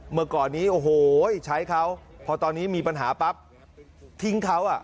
เมื่อก่อนนี้โอ้โหใช้เขาพอตอนนี้มีปัญหาปั๊บทิ้งเขาอ่ะ